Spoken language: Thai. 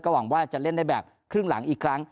หวังว่าจะเล่นได้แบบครึ่งหลังอีกครั้ง